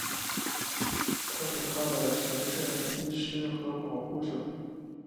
他是她的神圣医师和保护者。